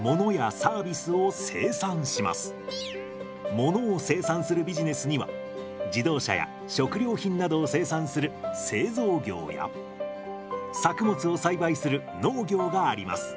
ものを生産するビジネスには自動車や食料品などを生産する製造業や作物を栽培する農業があります。